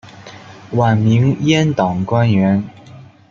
晚明阉党官员。